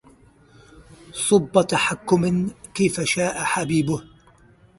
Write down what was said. صب تحكم كيف شاء حبيبه